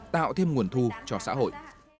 tạo thêm nguồn thu cho xã hội